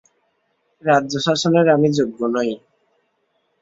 রাজ্যশাসনের আমি যোগ্য নই।